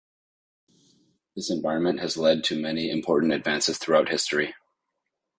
This environment has led to many important advances throughout history.